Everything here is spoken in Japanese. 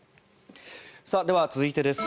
では続いてです。